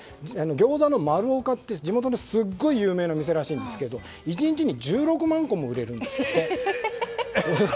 ぎょうざの丸岡という地元のすごい有名な店らしいんですけど、１日に１６万個も売れるんですって。